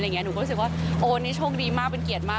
หนูก็รู้สึกว่าโอ้นี่โชคดีมากเป็นเกียรติมาก